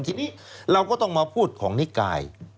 ทีนี้เราก็ต้องมาพูดของนิกาย